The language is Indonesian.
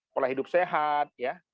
pola hidup sehat ya